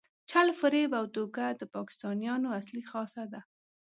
چل، فریب او دوکه د پاکستانیانو اصلي خاصه ده.